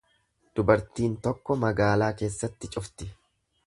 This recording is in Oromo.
Dubartiin tokko magaalaa keessatti cufti.